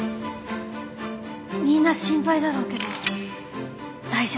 みんな心配だろうけど大丈夫。